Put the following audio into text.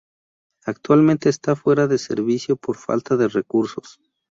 Actualmente está fuera de servicio por falta de recursos.